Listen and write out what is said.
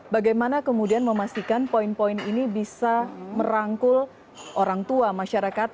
bagaimana kemudian memastikan poin poin ini bisa merangkul orang tua masyarakat